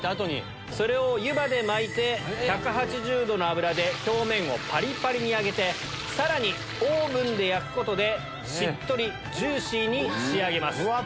それを湯葉で巻いて１８０℃の油で表面をパリパリに揚げてさらにオーブンで焼くことでしっとりジューシーに仕上げます。